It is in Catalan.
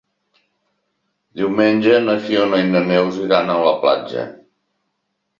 Diumenge na Fiona i na Neus iran a la platja.